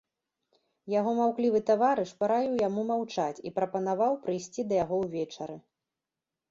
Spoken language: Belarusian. Яго маўклівы таварыш параіў яму маўчаць і прапанаваў прыйсці да яго ўвечары.